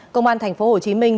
công an tp hcm vừa khởi tổng thống